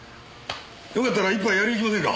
よかったら１杯やりにいきませんか？